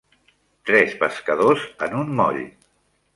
Tres pescadors en un moll